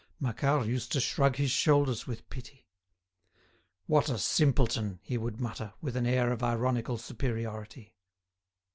Macquart used to shrug his shoulders with pity. "What a simpleton!" he would mutter, with an air of ironical superiority.